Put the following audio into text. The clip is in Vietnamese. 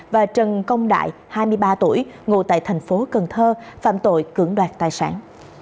và trần công đại hai mươi ba tuổi ngụ tại tp cân thơ phạm tội cưỡng đoạt tài sản